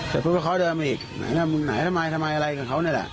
แต่พึ่งว่าเขาเดิมอีกไหนทำไมทำไมอะไรกับเขาเนี่ยแหละ